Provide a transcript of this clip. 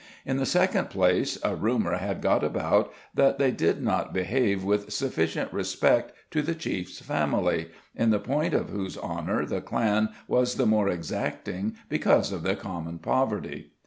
In the second place, a rumour had got about that they did not behave with sufficient respect to the chief's family, in the point of whose honour the clan was the more exacting because of their common poverty.